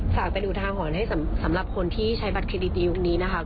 ฝากเป็นอุทาหรณ์ให้สำหรับคนที่ใช้บัตรเครดิตยุคนี้นะคะ